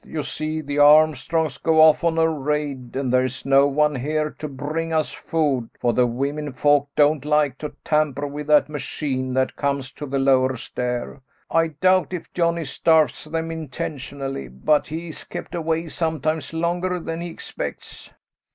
You see, the Armstrongs go off on a raid, and there's no one here to bring us food, for the women folk don't like to tamper with that machine that comes to the lower stair. I doubt if Johnny starves them intentionally, but he's kept away sometimes longer than he expects."